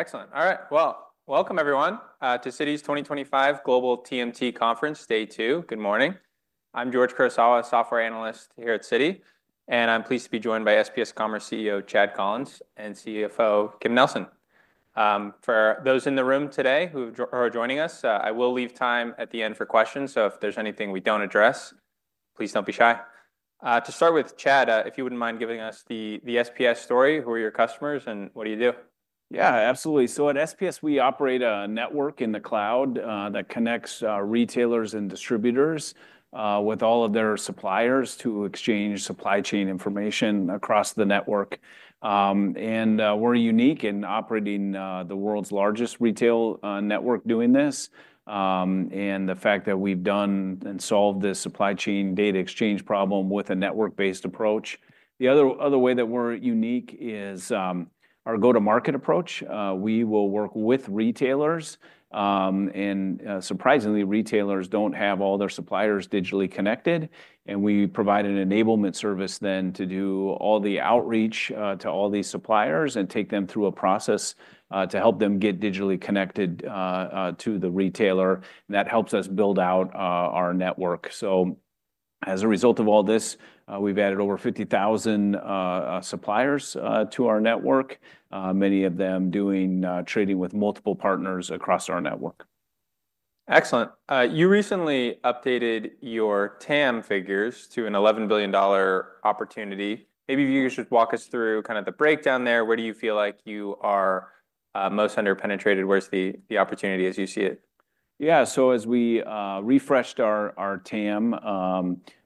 Excellent. Alright. Well, welcome everyone, to Citi's twenty twenty five Global TMT Conference, day two. Good morning. I'm George Kurosawa, software analyst here at Citi. And I'm pleased to be joined by SPS Commerce CEO Chad Collins and CFO Kim Nelson. For those in the room today who are joining us, I will leave time at the end for questions. So if there's anything we don't address, please don't be shy. To start with, Chad, if you wouldn't mind giving us the the SPS story, who are your customers and what do you do? Yeah, absolutely. So at SPS, we operate a network in the cloud, that connects retailers and distributors with all of their suppliers to exchange supply chain information across the network. And, we're unique in operating, the world's largest retail, network doing this. And the fact that we've done and solved this supply chain data exchange problem with a network based approach. The other other way that we're unique is, our go to market approach. We will work with retailers, and surprisingly, retailers don't have all their suppliers digitally connected and we provide an enablement service then to do all the outreach to all these suppliers and take them through a process to help them get digitally connected, to the retailer, and that helps us build out, our network. So as a result of all this, we've added over 50,000, suppliers, to our network, many of them doing trading with multiple partners across our network. Excellent. You recently updated your TAM figures to an $11,000,000,000 opportunity. Maybe you should walk us through kind of the breakdown there. Where do you feel like you are, most underpenetrated? Where's the the opportunity as you see it? Yeah. So as we, refreshed our our TAM,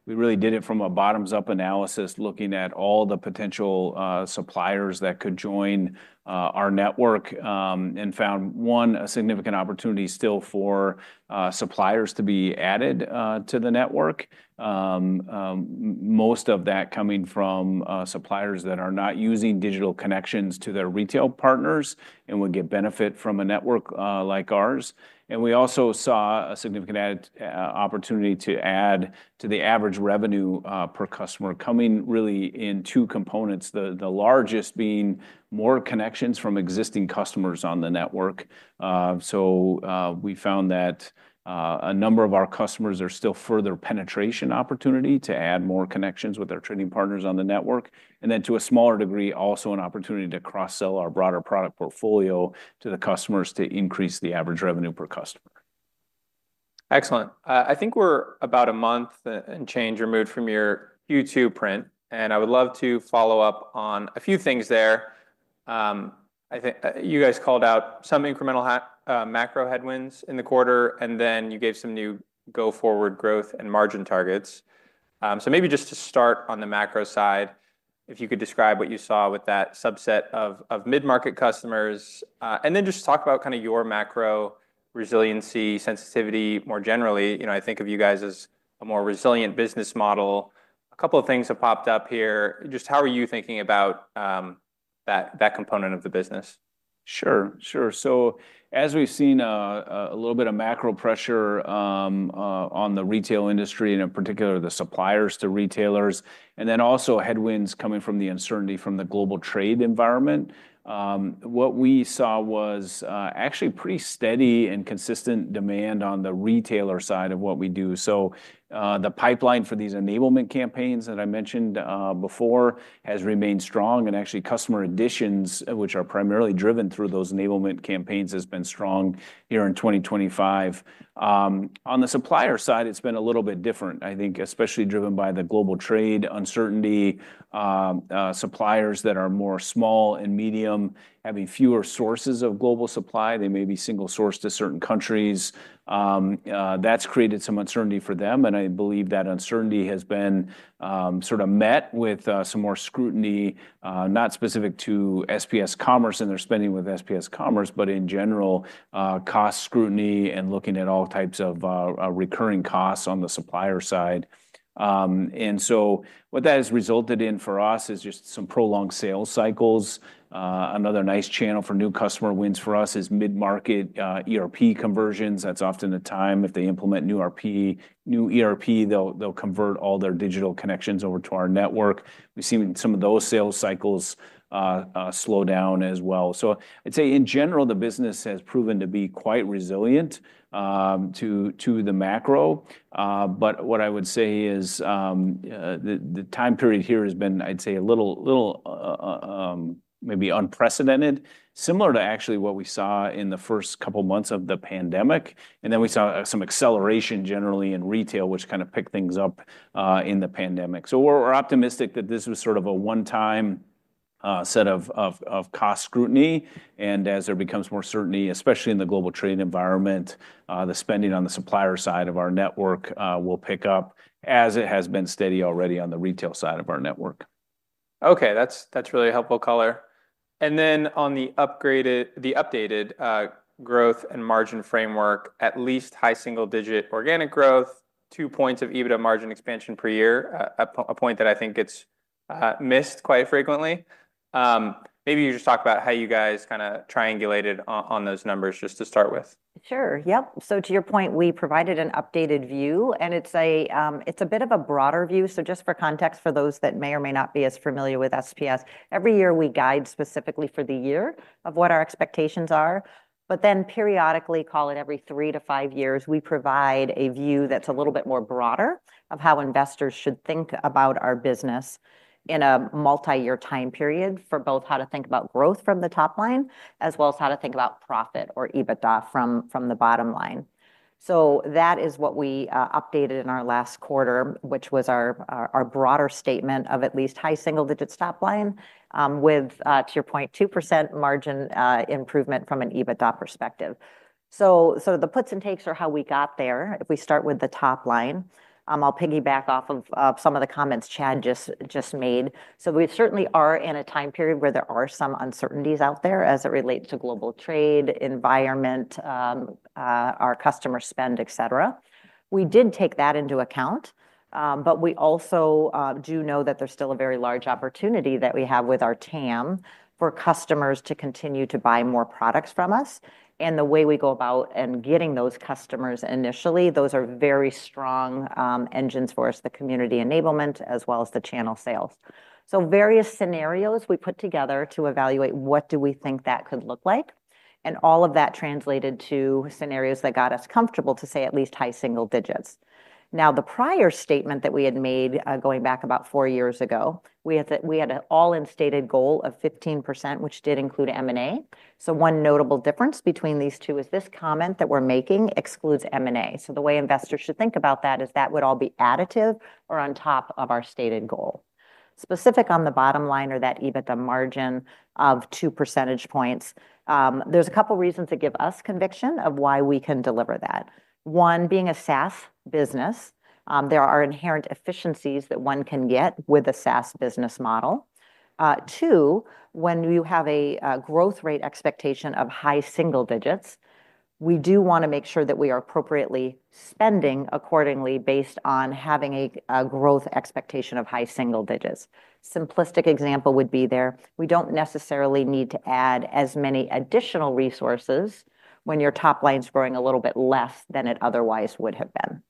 we really did it from a bottoms up analysis looking at all the potential, suppliers that could join, our network, and found, one, a significant opportunity still for, suppliers to be added, to the network, Most of that coming from, suppliers that are not using digital connections to their retail partners and would get benefit from a network, like ours. And we also saw a significant ad, opportunity to add to the average revenue, per customer coming really in two components, the the largest being more connections from existing customers on the network. So, we found that a number of our customers are still further penetration opportunity to add more connections with their trading partners on the network. And then to a smaller degree, also an opportunity to cross sell our broader product portfolio to the customers to increase the average revenue per customer. Excellent. I think we're about a month and change removed from your Q2 print. And I would love to follow-up on a few things there. I think you guys called out some incremental macro headwinds in the quarter, and then you gave some new go forward growth and margin targets. So maybe just to start on the macro side, if you could describe what you saw with that subset of mid market customers. And then just talk about kind of your macro resiliency sensitivity more generally, I think of you guys as a more resilient business model. A couple of things have popped up here. Just how are you thinking about, that component of the business? Sure, sure. So as we've seen a little bit of macro pressure, on the retail industry and, in particular, the suppliers to retailers and then also headwinds coming from the uncertainty from the global trade environment, What we saw was actually pretty steady and consistent demand on the retailer side of what we do. So the pipeline for these enablement campaigns that I mentioned before has remained strong, and, actually, customer additions, which are primarily driven through those enablement campaigns, has been strong here in 2025. On the supplier side, it's been a little bit different, I think, especially driven by the global trade uncertainty. Suppliers that are more small and medium having fewer sources of global supply. They may be single sourced to certain countries. That's created some uncertainty for them, and I believe that uncertainty has been sort of met with, some more scrutiny, not specific to SPS Commerce and their spending with SPS Commerce, but in general, cost scrutiny and looking at all types of recurring costs on the supplier side. And so what that has resulted in for us is just some prolonged sales cycles. Another nice channel for new customer wins for Us is mid market, ERP conversions. That's often the time if they implement new RP new ERP, they'll they'll convert all their digital connections over to our network. We've seen some of those sales cycles, slow down as well. So I'd say, in general, the business has proven to be quite resilient, to to the macro. But what I would say is the time period here has been, I'd say, a little maybe unprecedented, similar to actually what we saw in the first couple months of the pandemic. And then we saw some acceleration generally in retail, which kind of picked things up in the pandemic. So we're optimistic that this was sort of a onetime set of cost scrutiny. And as there becomes more certainty, especially in the global trading environment, the spending on the supplier side of our network, will pick up as it has been steady already on the retail side of our network. Okay. That's that's really helpful color. And then on the upgraded the updated, growth and margin framework, at least high single digit organic growth, two points of EBITDA margin expansion per year, a a point that I think gets, missed quite frequently. Maybe you just talk about how you guys kinda triangulated on those numbers just to start with. Sure. Yep. So to your point, we provided an updated view and it's a, it's a bit of a broader view. So just for context for those that may or may not be as familiar with SPS, every year we guide specifically for the year of what our expectations are. But then periodically, call it, every three to five years, we provide a view that's a little bit more broader of how investors should think about our business in a multiyear time period for both how to think about growth from the top line as well as how to think about profit or EBITDA from the bottom line. So that is what we updated in our last quarter, which was our broader statement of at least high single digits top line with, to your point, 2% margin improvement from an EBITDA perspective. So, the puts and takes are how we got there. If we start with the top line, I'll piggyback off of some of the comments Chad just made. So we certainly are in a time period where there are some uncertainties out there as it relates to global trade, environment, our customer spend, etcetera. We did take that into account, but we also do know that there's still a very large opportunity that we have with our TAM for customers to continue to buy more products from us. And the way we go about and getting those customers initially, those are very strong engines for us, the community enablement as well as the channel sales. So various scenarios we put together to evaluate what do we think that could look like, and all of that translated to scenarios that got us comfortable to say at least high single digits. Now, the prior statement that we had made going back about four years ago, we had an all in stated goal of 15%, which did include M and A. So, one notable difference between these two is this comment that we're making excludes M and A. So, the way investors should think about that is that would all be additive or on top of our stated goal. Specific on the bottom line or that EBITDA margin of two percentage points, there's a couple reasons that give us conviction of why we can deliver that. One, being a SaaS business, there are inherent efficiencies that one can get with a SaaS business model. Two, when you have a growth rate expectation of high single digits, we do want to make sure that we are appropriately spending accordingly based on having a growth expectation of high single digits. Simplistic example would be there. We don't necessarily need to add as many additional resources when your top line is growing a little bit less than it otherwise would have been.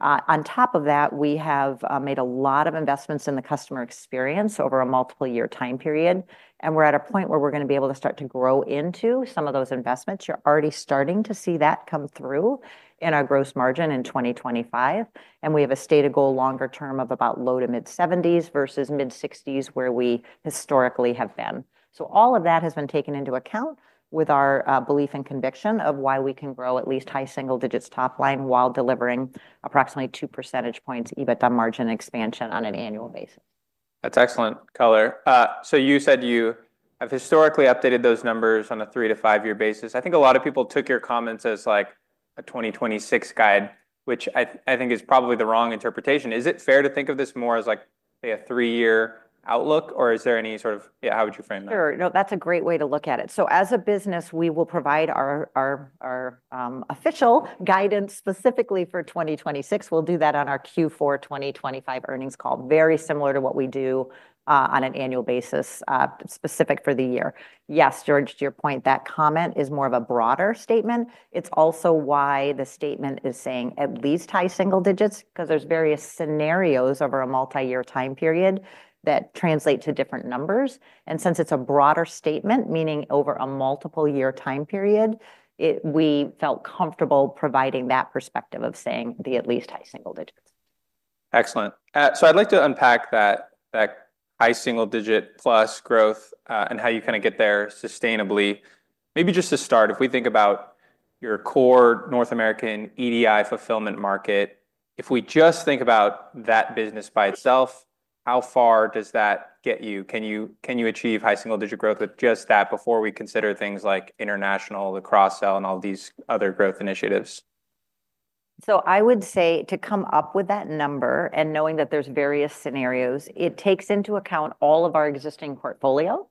On top of that, we have made a lot of investments in the customer experience over a multiple year time period, and we're at a point where we're going to be able to start to grow into some of those investments. You're already starting to see that come through in our gross margin in 2025, And we have a stated goal longer term of about low to mid-70s versus mid-60s where we historically have been. So all of that has been taken into account with our belief and conviction of why we can grow at least high single digits top line while delivering approximately two percentage points EBITDA margin expansion on an annual basis. That's excellent color. So you said you have historically updated those numbers on a three to five year basis. I think a lot of people took your comments as like a 2026 guide, which I think is probably the wrong interpretation. Is it fair to think of this more as like a three year outlook? Or is there any sort of how would you frame that? Sure. No, that's a great way to look at it. So as a business, we will provide our official guidance specifically for 2026. We'll do that on our Q4 twenty twenty five earnings call, very similar to what we do, on an annual basis, specific for the year. Yes, George, to your point, that comment is more of a broader statement. It's also why the statement is saying at least high single digits, because there's various scenarios over a multiyear time period that translate to different numbers. And since it's a broader statement, meaning over a multiple year time period, we felt comfortable providing that perspective of saying the at least high single digits. Excellent. So I'd like to unpack that high single digit plus growth and how you kind of get there sustainably. Maybe just to start, if we think about your core North American EDI fulfillment market, if we just think about that business by itself, how far does that get you? Can you achieve high single digit growth with just that before we consider things like international, the cross sell and all these other growth initiatives? So I would say to come up with that number and knowing that there's various scenarios, it takes into account all of our existing portfolio.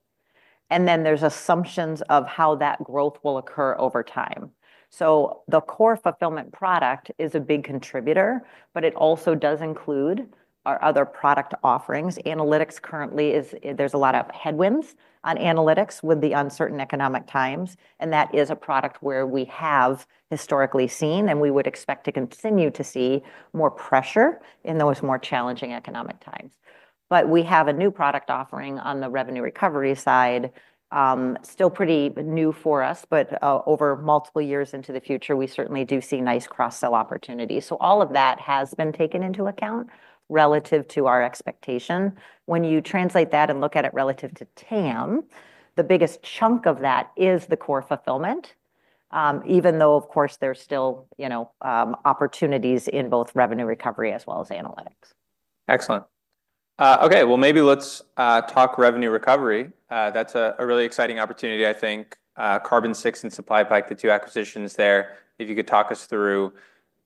And then there's assumptions of how that growth will occur over time. So the core fulfillment product is a big contributor, but it also does include our other product offerings. Analytics currently is there's a lot of headwinds on analytics with the uncertain economic times, and that is a product where we have historically seen and we would expect to continue to see more pressure in those more challenging economic times. But we have a new product offering on the revenue recovery side, still pretty new for us. But over multiple years into the future, we certainly do see nice cross sell opportunities. So all of that has been taken into account relative to our expectation. When you translate that and look at it relative to TAM, the biggest chunk of that is the core fulfillment, even though of course there's still opportunities in both revenue recovery as well as analytics. Excellent. Okay, well maybe let's talk revenue recovery. That's a really exciting opportunity, I think. Carbon six and Supplypipe, the two acquisitions there. If you could talk us through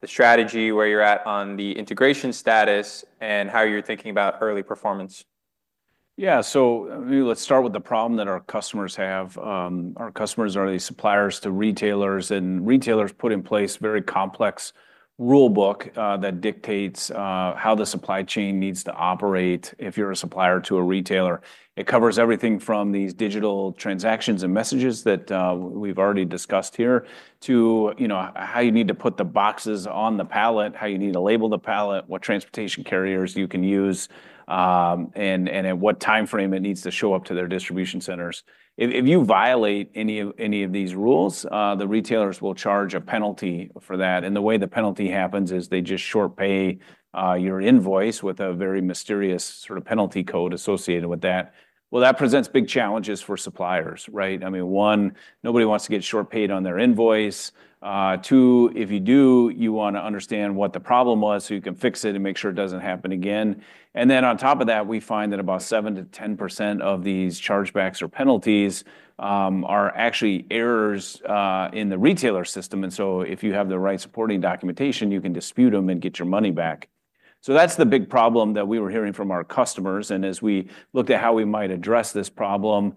the strategy, where you're at on the integration status and how you're thinking about early performance? Yes. So let's start with the problem that our customers have. Our customers are the suppliers to retailers, and retailers put in place very complex rule book, that dictates, how the supply chain needs to operate if you're a supplier to a retailer. It covers everything from these digital transactions and messages that, we've already discussed here to how you need to put the boxes on the pallet, how you need to label the pallet, what transportation carriers you can use, and at what time frame it needs to show up to their distribution centers. If you violate any of these rules, the retailers will charge a penalty for that. And the way the penalty happens is they just short pay, your invoice with a very mysterious sort of penalty code associated with that. Well, that presents big challenges for suppliers. Right? I mean, one, nobody wants to get short paid on their invoice. Two, if you do, you want to understand what the problem was so you can fix it and make sure it doesn't happen again. And then on top of that, we find that about seven to 10% of these chargebacks or penalties are actually errors in the retailer system. So if you have the right supporting documentation, you can dispute them and get your money back. So that's the big problem that we were hearing from our customers. As we looked at how we might address this problem,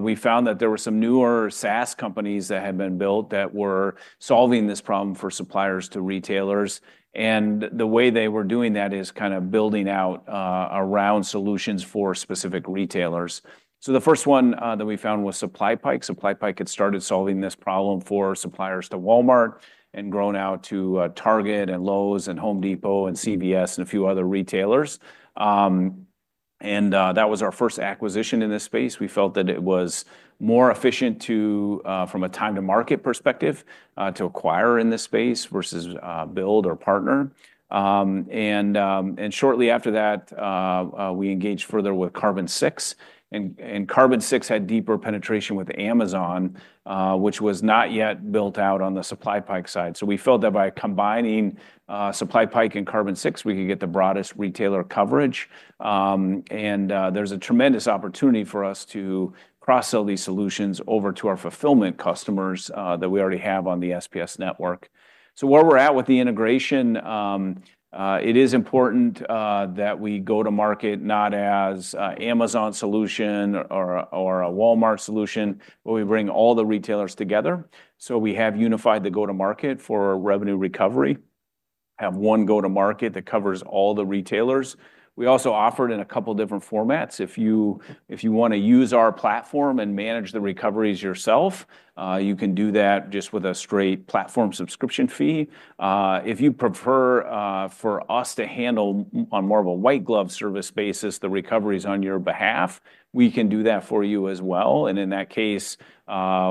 we found that there were some newer SaaS companies that had been built that were solving this problem for suppliers to retailers. And the way they were doing that is kinda building out, around solutions for specific retailers. So the first one, that we found was SupplyPike. SupplyPike had started solving this problem for suppliers to Walmart and grown out to Target and Lowe's and Home Depot and CVS and a few other retailers. And, that was our first acquisition in this space. We felt that it was more efficient to, from a time to market perspective, to acquire in this space versus, build or partner. And shortly after that, we engaged further with Carbon six. And and Carbon six had deeper penetration with Amazon, which was not yet built out on the supply pike side. So we felt that by combining, supply pike and Carbon six, we could get the broadest retailer coverage. And there's a tremendous opportunity for us to cross sell these solutions over to our fulfillment customers that we already have on the SPS network. So where we're at with the integration, it is important that we go to market not as Amazon solution or a Walmart solution, where we bring all the retailers together. So we have unified the go to market for revenue recovery, have one go to market that covers all the retailers. We also offer it in a couple of different formats. If you want to use our platform and manage the recoveries yourself, you can do that just with a straight platform subscription fee. If you prefer for us to handle on more of a white glove service basis the recoveries on your behalf, we can do that for you as well. In that case,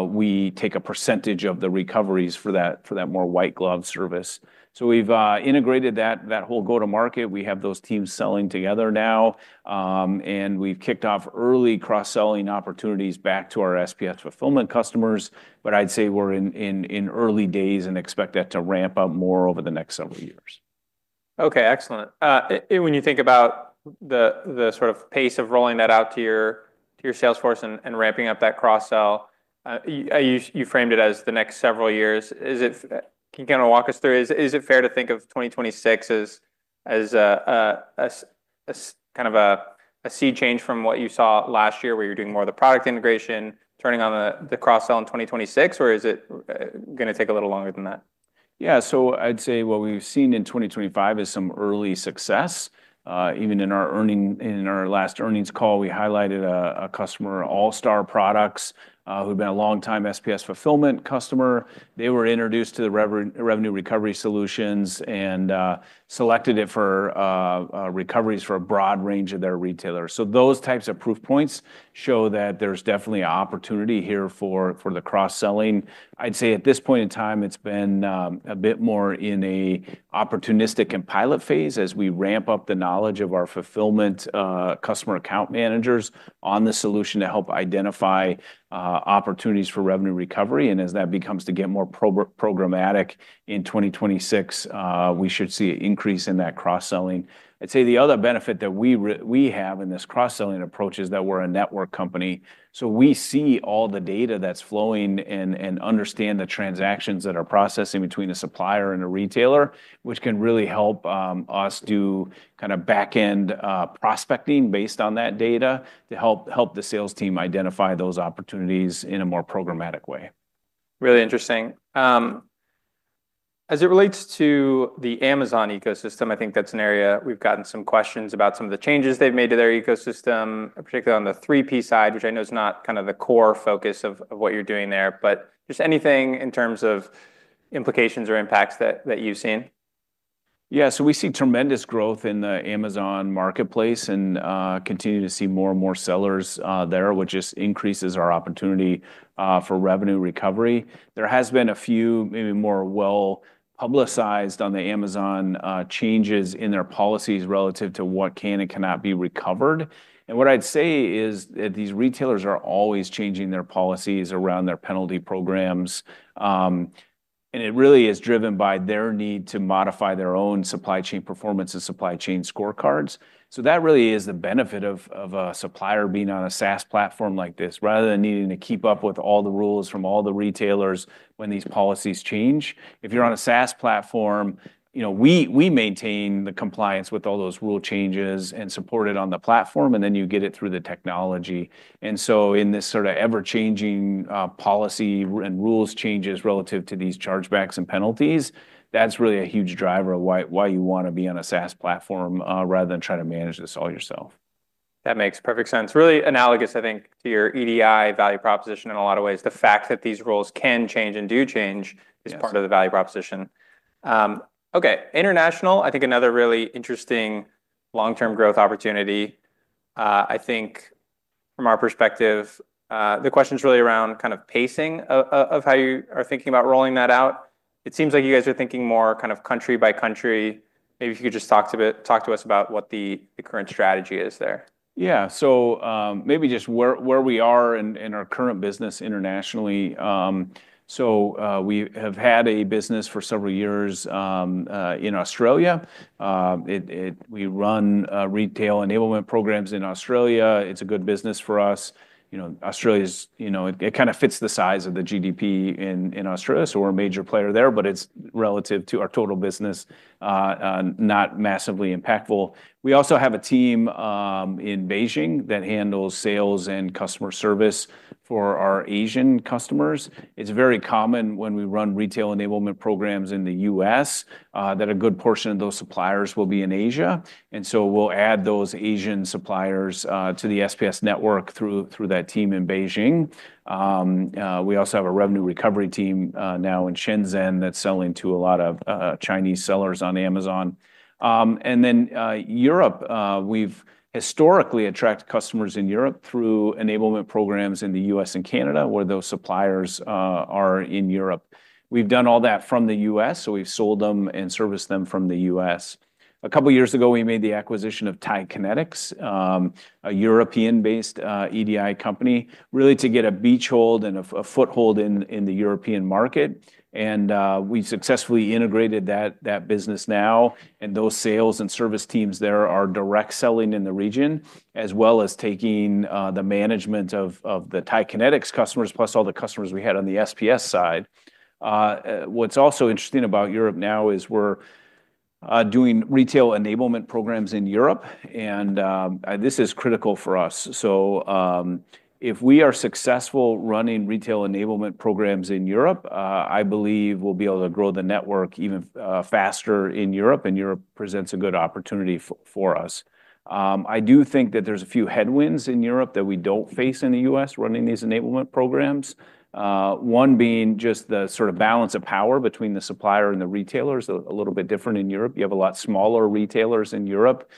we take a percentage of the recoveries for that more white glove service. So we've integrated that whole go to market. We have those teams selling together now. And we've kicked off early cross selling opportunities back to our SPS fulfillment customers. But I'd say we're in early days and expect that to ramp up more over the next several years. Okay. Excellent. And when you think about the sort of pace of rolling that out to your sales force and ramping up that cross sell, you framed it as the next several years. Is it can kind of walk us through, is it fair to think of 2026 as kind of a sea change from what you saw last year where you're doing more of the product integration, turning on the cross sell in 2026? Or is it going to take a little longer than that? Yes. So I'd say what we've seen in 2025 is some early success. Even in our earning in our last earnings call, we highlighted a customer, Allstar Products, who've been a long time SPS fulfillment customer. They were introduced to the revenue recovery solutions and selected it for recoveries for a broad range of their retailers. So those types of proof points show that there's definitely opportunity here for the cross selling. I'd say at this point in time, it's been a bit more in an opportunistic and pilot phase as we ramp up the knowledge of our fulfillment customer account managers on the solution to help identify opportunities for revenue recovery. As that becomes to get more programmatic in 2026, we should see an increase in that cross selling. I'd say the other benefit that we have in this cross selling approach is that we're a network company, So we see all the data that's flowing and and understand the transactions that are processing between a supplier and a retailer, which can really help, us do kinda back end, prospecting based on that data to help the sales team identify those opportunities in a more programmatic way. Really interesting. As it relates to the Amazon ecosystem, I think that's an area we've gotten some questions about some of the changes they've made to their ecosystem, particularly on the 3P side, which I know is not kind of the core focus of what you're doing there. But just anything in terms of implications or impacts that you've seen? Yes. So we see tremendous growth in the Amazon marketplace continue to see more and more sellers there, which just increases our opportunity for revenue recovery. There has been a few maybe more well publicized on the Amazon changes in their policies relative to what can and cannot be recovered. And what I'd say is that these retailers are always changing their policies around their penalty programs, and it really is driven by their need to modify their own supply chain performance and supply chain scorecards. So that really is the benefit of a supplier being on a SaaS platform like this, than needing to keep up with all the rules from all the retailers when these policies change. If you're on a SaaS platform, we maintain the compliance with all those rule changes and support it on the platform, then you get it through the technology. And so in this ever changing policy and rules changes relative to these chargebacks and penalties, that's really a huge driver of why you want to be on a SaaS platform rather than try to manage this all yourself. That makes perfect sense. Really analogous, I think, to your EDI value proposition in a lot of ways. The fact that these roles can change and do change is part of the value proposition. Okay. International, I think another really interesting long term growth opportunity. I think from our perspective, the question is really around kind of pacing of how you are thinking about rolling that out. It seems like you guys are thinking more kind of country by country. Maybe if you could just talk to us about what the current strategy is there? Yes. So maybe just where we are in our current business internationally. So we have had a business for several years in Australia. We run retail enablement programs in Australia. It's a good business for us. Australia is it kind of fits the size of the GDP in Australia, we're a major player there, but it's relative to our total business, not massively impactful. We also have a team in Beijing that handles sales and customer service for our Asian customers. It's very common when we run retail enablement programs in The U. S. That a good portion of those suppliers will be in Asia. And so we'll add those Asian suppliers to the SPS network through that team in Beijing. We also have a revenue recovery team now in Shenzhen that's selling to a lot of Chinese sellers on Amazon. And then Europe, we've historically attracted customers in Europe through enablement programs in The U. S. And Canada, where those suppliers are in Europe. We've done all that from The U. S, so we've sold them and serviced them from The U. S. A couple of years ago, we made the acquisition of Tide Kinetics, a European based EDI company, really to get a beach hold and a foothold in the European market. And we successfully integrated that business now, and those sales and service teams there are direct selling in the region as well as taking, the management of of the Thai kinetics customers plus all the customers we had on the SPS side. What's also interesting about Europe now is we're, doing retail enablement programs in Europe, and this is critical for us. So if we are successful running retail enablement programs in Europe, I believe we'll be able to grow the network even faster in Europe, and Europe presents a good opportunity for us. I do think that there's a few headwinds in Europe that we don't face in The U. S. Running these enablement programs. One being just the sort of balance of power between the supplier and the retailers, a little bit different in Europe. You have a lot smaller retailers in Europe,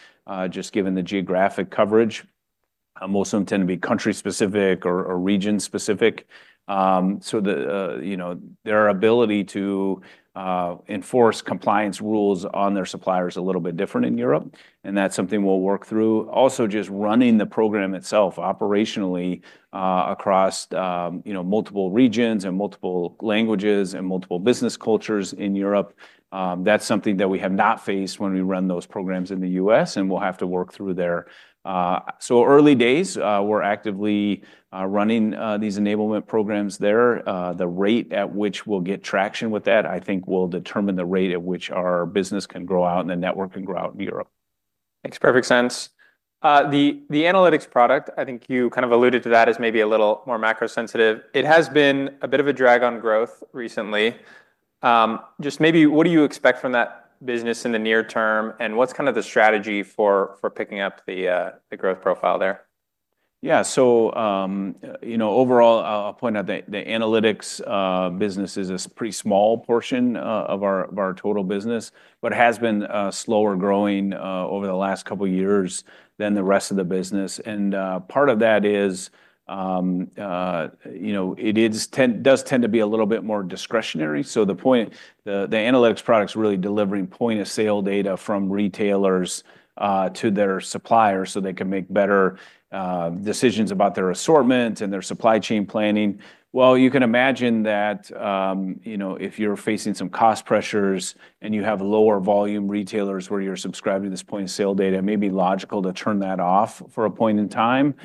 just given the geographic coverage. Most of them tend to be country specific or region specific. So their ability to enforce compliance rules on their suppliers is a little bit different in Europe, and that's something we'll work through. Also, just running the program itself operationally across multiple regions and multiple languages and multiple business cultures in Europe, that's something that we have not faced when we run those programs in The U. S, and we'll have to work through there. So early days. We're actively running these enablement programs there. The rate at which we'll get traction with that, I think, will determine determine the the rate rate at at which which our business can grow out and the network can grow out in Europe. Makes perfect sense. The analytics product, I think you kind of alluded to that as maybe a little more macro sensitive. It has been a bit of a drag on growth recently. Just maybe what do you expect from that business in the near term? And what's kind of the strategy for picking up the growth profile there? Yes. So overall, I'll point out that the analytics business is a pretty small portion of our total business, but has been slower growing over the last couple of years than the rest of the business. And part of that is it does tend to be a little bit more discretionary. The analytics product's really delivering point of sale data from retailers to their suppliers so they can make better decisions about their assortment and their supply chain planning. Well, you can imagine that if you're facing some cost pressures and you have lower volume retailers where you're subscribed to this point of sale data, it may be logical to turn that off for a point in time,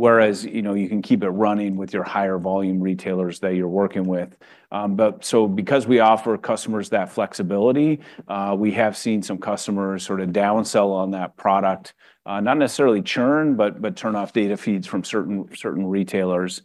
whereas you can keep it running with your higher volume retailers that you're working with. But so because we offer customers that flexibility, we have seen some customers sort of down sell on that product, not necessarily churn, but turn off data feeds from certain retailers.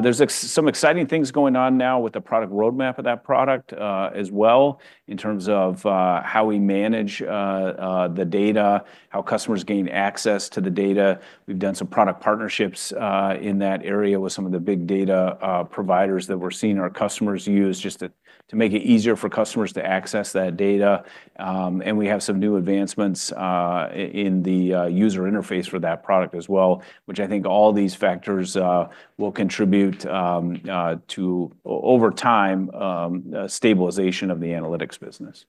There's some exciting things going on now with the product road map of that product as well in terms of how we manage the data, how customers gain access to the data. We've done some product partnerships in that area with some of the big data providers that we're seeing our customers use just to make it easier for customers to access that data. And we have some new advancements in the user interface for that product as well, which I think all these factors will contribute to, over time, stabilization of the analytics business.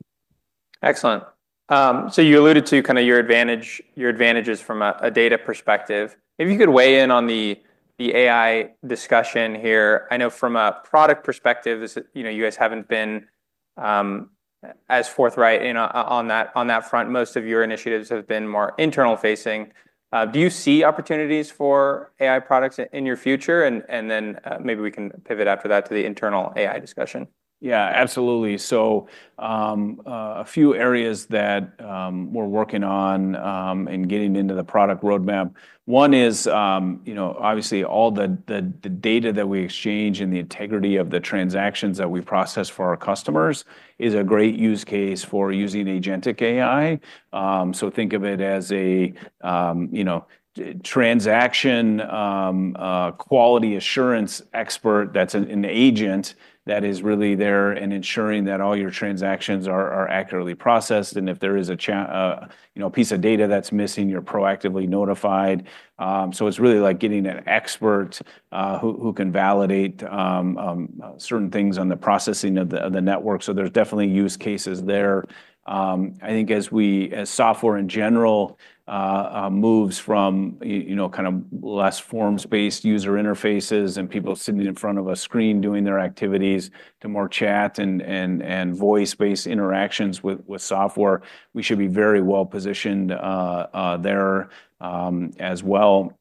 Excellent. So you alluded to kind of your advantage your advantages from a data perspective. Maybe you could weigh in on the the AI discussion here. I know from a product perspective, is it know, you guys haven't been as forthright on that front. Most of your initiatives have been more internal facing. Do you see opportunities for AI products in your future? And then maybe we can pivot after that to the internal AI discussion. Yeah, absolutely. So, a few areas that, we're working on, and getting into the product road map. One is, obviously, all the data that we exchange integrity of the transactions that we process for our customers is a great use case for using AgenTik AI. Think of it as a transaction quality assurance expert that's an agent that is really there and ensuring that all your transactions are accurately processed, if there is a piece of data that's missing, you're proactively notified. So it's really like getting an expert who can validate certain things on the processing of the network, so there are definitely use cases there. I think as software in general moves from less forms based user interfaces and people sitting in front of a screen doing their activities to more chat and voice based interactions with software, we should be very well positioned there as well.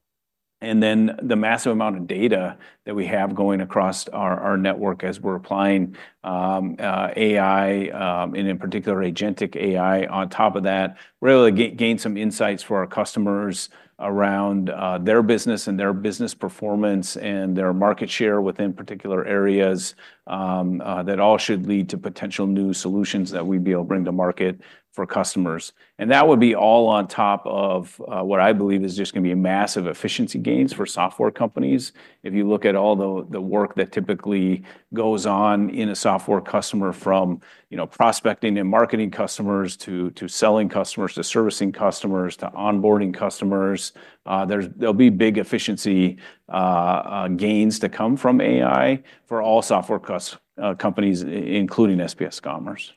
And then the massive amount of data that we have going across our network as we're applying AI and, in particular, AgenTik AI on top of that, really gain some insights for our customers around their business and their business performance and their market share within particular areas that all should lead to potential new solutions that we'd be able to bring to market for customers. And that would be all on top of what I believe is just going be massive efficiency gains for software companies. If you look at all the work that typically goes on in a software customer from prospecting and marketing customers to selling customers to servicing customers to onboarding customers. There'll be big efficiency gains to come from AI for all software companies, including SPS Commerce.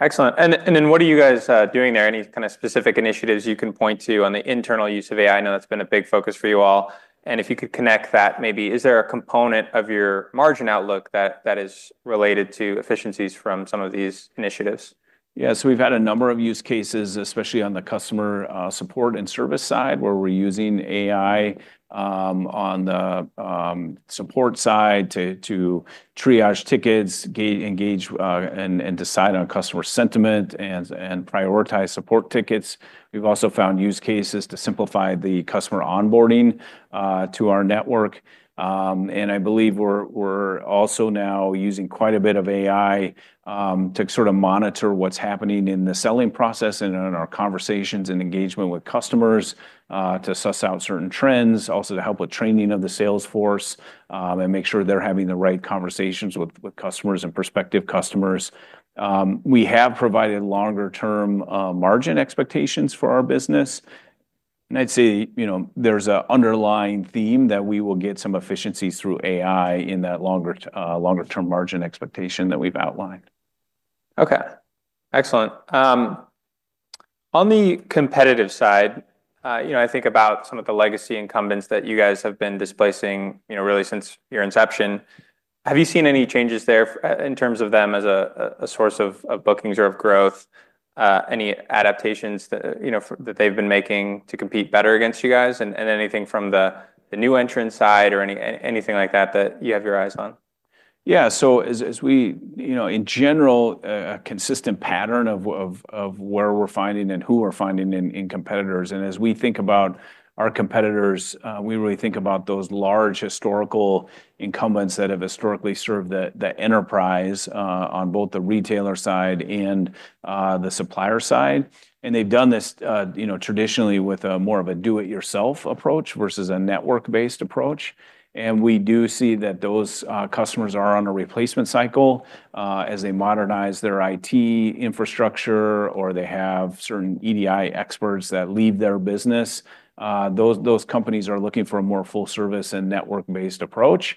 Excellent. And then what are you guys doing there? Any kind of specific initiatives you can point to on the internal use of AI? Know that's been a big focus for you all. And if you could connect that, maybe is there a component of your margin outlook that is related to efficiencies from some of these initiatives? Yes. So we've had a number of use cases, especially on the customer, support and service side, where we're using AI, on the, support side to triage tickets, engage and decide on customer sentiment and prioritize support tickets. We've also found use cases to simplify the customer onboarding to our network. And I believe we're also now using quite a bit of AI to monitor what's happening in the selling process and in our conversations and engagement with customers to suss out certain trends, also to help with training of the sales force and make sure they're having the right conversations with customers and prospective customers. We have provided longer term margin expectations for our business. And I'd say there's an underlying theme that we will get some efficiencies through AI in that longer term margin expectation that we've outlined. Okay. Excellent. On the competitive side, I think about some of the legacy incumbents that you guys have been displacing really since your inception. Have you seen any changes there in terms of them as a source of bookings or of growth? Any adaptations that they've been making to compete better against you guys? And anything from the new entrants side or anything like that, that you have your eyes on? Yes. So as we in general, a consistent pattern of where we're finding and who we're finding in competitors. And as we think about our competitors, we really think about those large historical incumbents that have historically served the enterprise on both the retailer side and the supplier side. And they've done this traditionally with more of a do it yourself approach versus a network based approach. And we do see that those customers are on a replacement cycle as they modernize their IT infrastructure or they have certain EDI experts that leave their business, those companies are looking for a more full service and network based approach.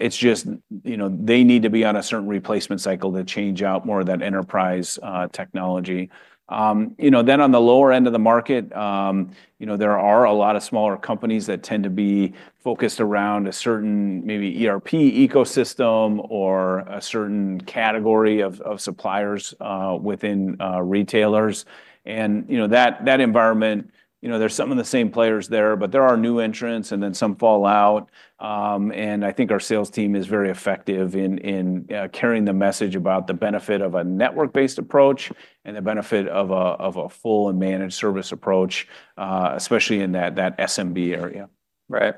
It's just they need to be on a certain replacement cycle to change out more of that enterprise technology. Then on the lower end of the market, there are a lot of smaller companies that tend to be focused around a certain maybe ERP ecosystem or a certain category of suppliers within retailers. And that environment, there's some of the same players there, but there are new entrants and then some fall out. And I think our sales team is very effective in carrying the message about the benefit of a network based approach and the benefit of a full and managed service approach, especially in that SMB area. Right.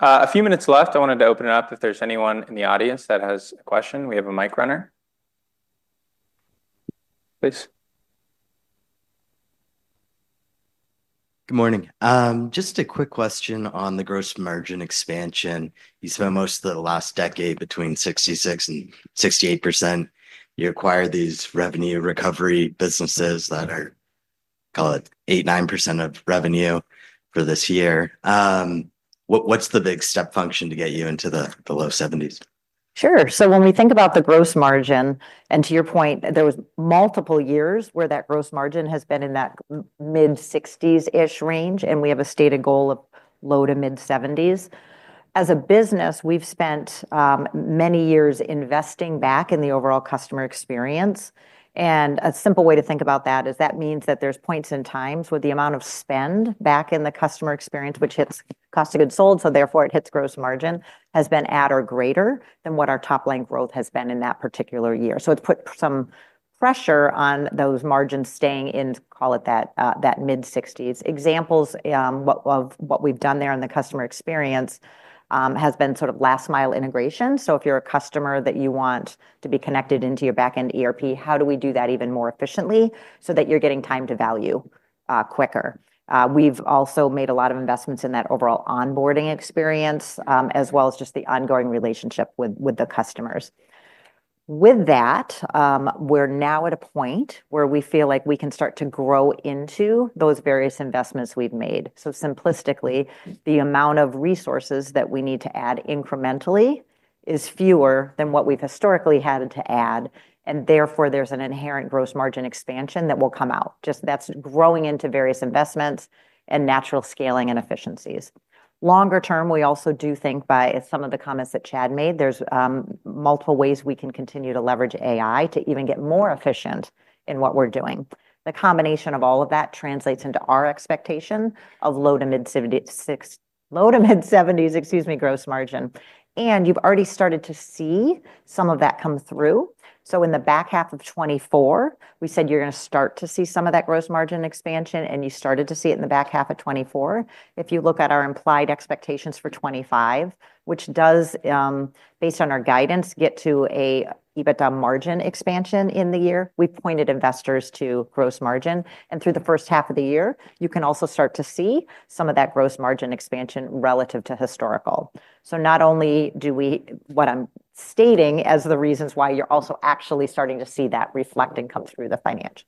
A few minutes left. I wanted to open it up if there's anyone in the audience that has a question. We have a mic runner. Please. Good morning. Just a quick question on the gross margin expansion. You spent most of the last decade between 6668%. You acquired these revenue recovery businesses that are, call it, 8%, 9% of revenue for this year. What's the big step function to get you into the low 70s? Sure. So when we think about the gross margin, and to your point, there was multiple years where that gross margin has been in that mid-60s ish range, and we have a stated goal of low to mid-70s. As a business, we've spent many years investing back in the overall customer experience. And a simple way to think about that is that means that there's points in times where the amount of spend back in the customer experience, which hits cost of goods sold, so therefore it hits gross margin has been at or greater than what our top line growth has been in that particular year. So it put some pressure on those margins staying in, call it that mid-60s. Examples of what we've done there in the customer experience has been sort of last mile integration. So if you're a customer that you want to be connected into your back end ERP, how do we do that even more efficiently so that you're getting time to value quicker? We've also made a lot of investments in that overall onboarding experience as well as just the ongoing relationship with the customers. With that, we're now at a point where we feel like we can start to grow into those various investments we've made. So simplistically, the amount of resources that we need to add incrementally is fewer than what we've historically had to add. And therefore, there's an inherent gross margin expansion that will come out. Just that's growing into various investments and natural scaling and efficiencies. Longer term, we also do think by some of the comments that Chad made, there's multiple ways we can continue to leverage AI to even get more efficient in what we're doing. The combination of all of that translates into our expectation of low to mid-70s gross margin. And you've already started to see some of that come through. So in the back half of 2024, we said you're going to start to see some of that gross margin expansion, and you started to see it in the back half of 2024. If you look at our implied expectations for 2025, which does, based on our guidance, get to an EBITDA margin expansion in the year, we pointed investors to gross margin. And through the first half of the year, you can also start to see some of that gross margin expansion relative to historical. So not only do we what I'm stating as the reasons why you're also actually starting to see that reflect and come through the financials.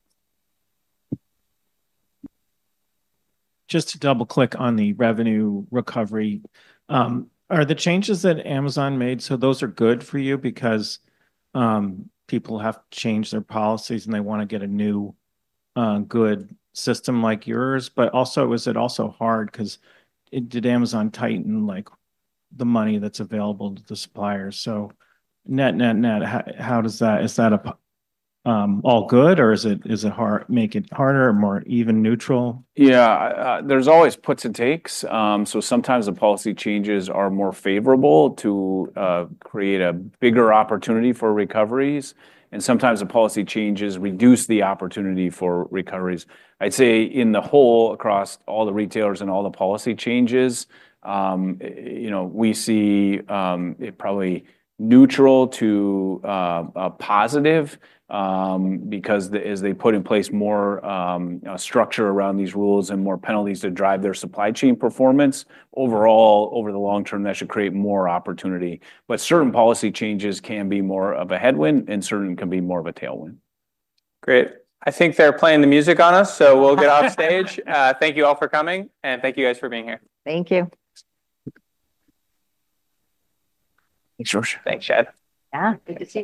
Just to double click on the revenue recovery. Are the changes that Amazon made, so those are good for you because, people have changed their policies and they wanna get a new good system like yours. But also was it also hard? Because it did Amazon tighten, like, the money that's available to the suppliers. So net net net, how does that is that all good? Or is it make it harder or more even neutral? Yeah. There's always puts and takes. So sometimes the policy changes are more favorable to create a bigger opportunity for recoveries. And sometimes the policy changes reduce the opportunity for recoveries. I'd say in the whole, across all the retailers and all the policy changes, we see it probably neutral to positive because as they put in place more, structure around these rules and more penalties to drive their supply chain performance, overall, over the long term, that should create more opportunity. But certain policy changes can be more of a headwind and certain can be more of a tailwind. Great. I think they're playing the music on us, so we'll get off stage. Thank you all for coming, and thank you guys for being here. Thank you. Thanks, Josh. Thanks, Chad. Yes. Good to see